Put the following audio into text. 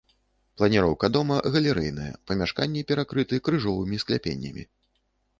Планіроўка дома галерэйная, памяшканні перакрыты крыжовымі скляпеннямі.